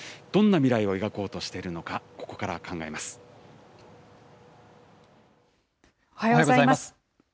どんな未来を描こうとしているのおはようございます。